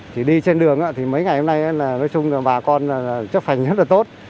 chỉ đi trên đường thì mấy ngày hôm nay là nói chung là bà con chấp hành rất là tốt